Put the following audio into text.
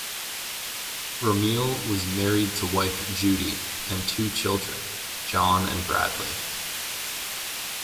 Ramil was married to wife Judy, and two children, Jon and Bradley.